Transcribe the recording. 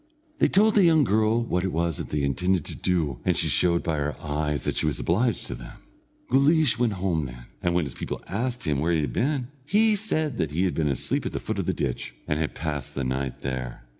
They told the young girl what it was they intended to do, and she showed by her eyes that she was obliged to them. Guleesh went home then, and when his people asked him where he had been, he said that he had been asleep at the foot of the ditch, and had passed the night there.